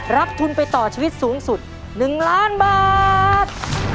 รับทุนไปต่อชีวิตสูงสุด๑ล้านบาท